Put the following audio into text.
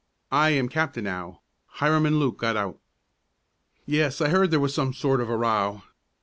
"I am captain now. Hiram and Luke got out." "Yes, I heard there was some sort of a row."